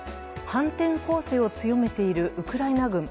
反転攻勢を強めているウクライナ軍。